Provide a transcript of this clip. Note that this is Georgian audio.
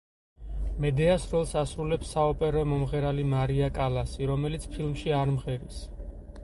მედეას როლს ასრულებს საოპერო მომღერალი მარია კალასი, რომელიც ფილმში არ მღერის.